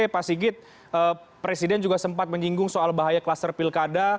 pak sigit presiden juga sempat menyinggung soal bahaya kluster pilkada